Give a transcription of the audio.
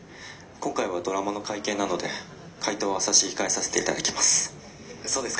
今回はドラマの会見なので回答は差し控えさせて頂きます」。